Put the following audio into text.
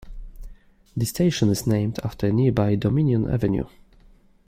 The station is named after nearby Dominion Avenue.